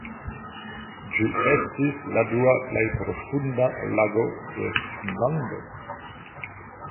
Ĝi estis la dua plej profunda lago de Finnlando.